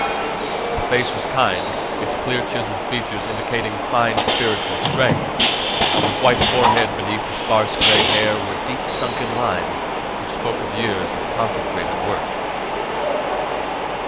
The face was kind, its clear chiselled features indicating fine spiritual strength; on the white forehead beneath the sparse gray hair were deep sunken lines which spoke of years of concentrated work.